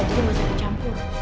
jadi mau sering campur